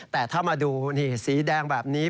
แต่ถ้ามาดูนี่สีแดงแบบนี้